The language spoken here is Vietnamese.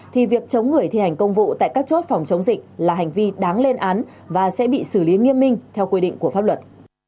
thì việc chống người thi hành công vụ tại các chốt phòng chống dịch là hành vi đáng lên án và sẽ bị xử lý nghiêm minh theo quy định của pháp luật